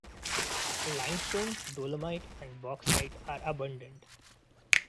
Limestone, dolomite and bauxite are abundant.